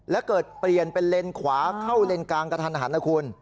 และเกิดเปลี่ยนเป็นเลนขวาเข้าเลนกลางกระทันหันนะคุณ